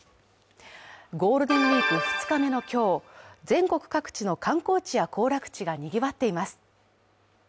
ゴールデンウイーク２日目の今日、全国各地の観光地や行楽地がにぎわっています。